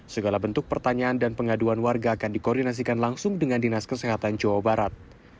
segala bentuk pertanyaan dan pengaduan warga akan dikoordinasikan langsung dengan dinas kesehatan jawa barat